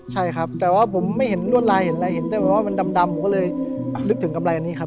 ใช่ครับแต่ว่าผมไม่เห็นรวดลายเห็นอะไรเห็นแต่แบบว่ามันดำผมก็เลยนึกถึงกำไรอันนี้ครับ